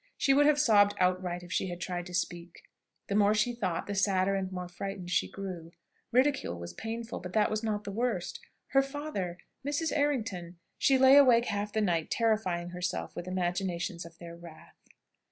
She would have sobbed outright if she had tried to speak. The more she thought the sadder and more frightened she grew. Ridicule was painful, but that was not the worst. Her father! Mrs. Errington! She lay awake half the night, terrifying herself with imaginations of their wrath.